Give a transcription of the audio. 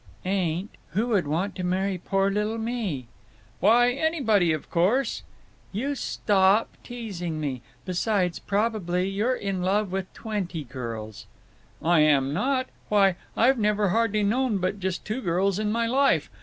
"Ain't. Who would want to marry poor little me?" "Why, anybody, of course." "You stop teasing me…. Besides, probably you're in love with twenty girls." "I am not. Why, I've never hardly known but just two girls in my life.